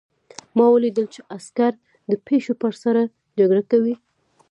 ما ولیدل چې عسکر د پیشو په سر جګړه کوي